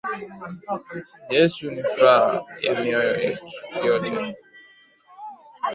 Yesu ni furah ya myoyo yetu